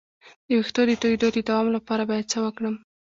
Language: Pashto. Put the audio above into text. د ویښتو د تویدو د دوام لپاره باید څه وکړم؟